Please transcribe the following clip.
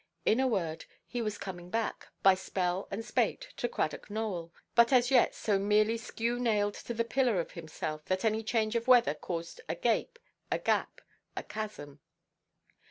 In a word, he was coming back, by spell and spate, to Cradock Nowell, but as yet so merely skew–nailed to the pillar of himself, that any change of weather caused a gape, a gap, a chasm.